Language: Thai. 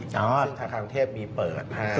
ซึ่งทางคางเทพฯมีเปิดให้